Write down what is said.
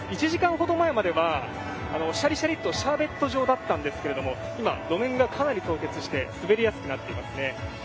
１時間ほど前まではしゃりしゃりっとシャーベット状だったんですけど今、路面がかなり凍結して滑りやすくなっていますね。